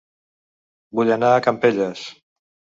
Vull anar a Campelles